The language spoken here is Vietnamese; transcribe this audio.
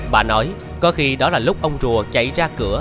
bà nói có khi đó là lúc ông rùa chạy ra cửa